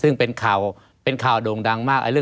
หรือว่าแม่ของสมเกียรติศรีจันทร์